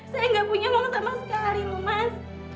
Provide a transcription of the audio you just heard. saya gak punya mau sama sekali mas